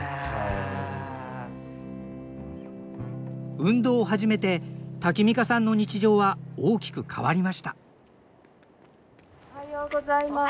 運動を始めてタキミカさんの日常は大きく変わりましたおはようございます。